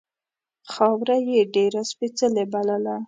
خاوره یې ډېره سپېڅلې بلله.